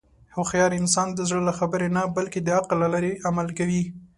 هوښیار انسان د زړه له خبرې نه، بلکې د عقل له لارې عمل کوي.